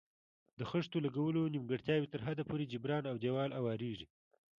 د خښتو لګولو نیمګړتیاوې تر حده پورې جبران او دېوال اواریږي.